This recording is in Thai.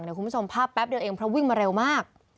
คุณผู้ชมภาพแป๊บเดียวเองเพราะวิ่งมาเร็วมาก